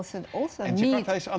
jakarta sedang berjalan